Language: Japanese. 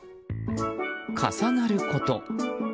重なること。